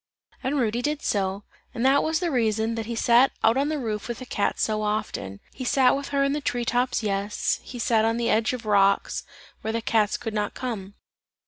And Rudy did so, and that was the reason that he sat out on the roof with the cat so often; he sat with her in the tree tops, yes, he sat on the edge of the rocks, where the cats could not come.